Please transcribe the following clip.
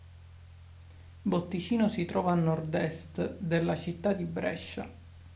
Botticino si trova a nord-est della città di Brescia.